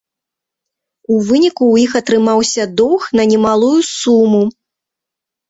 У выніку ў іх атрымаўся доўг на немалую суму.